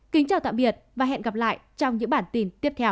kính chào tạm biệt và hẹn gặp lại trong những bản tin tiếp theo